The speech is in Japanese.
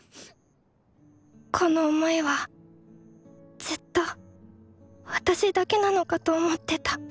この想いはずっと私だけなのかと思ってた。